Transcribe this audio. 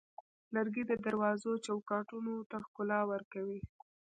لرګی د دروازو چوکاټونو ته ښکلا ورکوي.